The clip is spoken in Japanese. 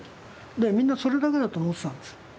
でみんなそれだけだと思ってたんですよ。